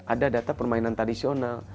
ada data permainan tradisional